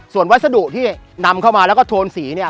ส่วนวัสดุที่นำเข้ามาแล้วก็โทนสีเนี่ย